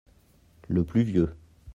Le plus vieux.